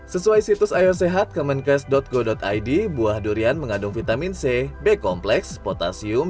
sesuai situs ayosehat kemenkes go id buah durian mengandung vitamin c b kompleks potasium